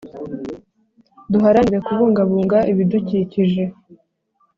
Duharanire Kubungabunga Ibidukikije